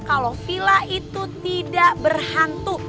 kalau villa itu tidak berhantu